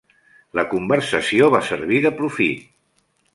La conversació va servir de profit.